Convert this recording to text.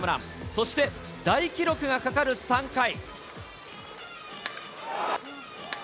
そして、大記録がかかる３回。